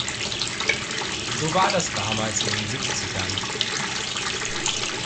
So war das damals in den Siebzigern.